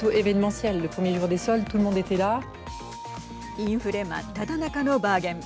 インフレ真っただ中のバーゲン。